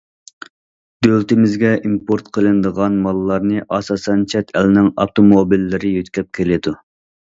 دۆلىتىمىزگە ئىمپورت قىلىنىدىغان ماللارنى ئاساسەن چەت ئەلنىڭ ئاپتوموبىللىرى يۆتكەپ كېلىدۇ.